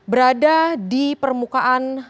berada di permukaan